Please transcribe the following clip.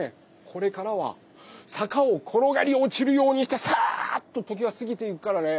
これからはさかをころがりおちるようにしてさっと時はすぎていくからね。